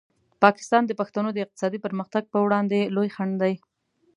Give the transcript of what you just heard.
پاکستان د پښتنو د اقتصادي پرمختګ په وړاندې لوی خنډ دی.